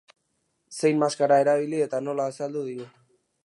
Zein maskara erabili eta nola azaldu digu.